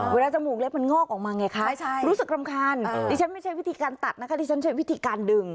จมูกเล็บมันงอกออกมาไงคะรู้สึกรำคาญดิฉันไม่ใช่วิธีการตัดนะคะดิฉันใช้วิธีการดึง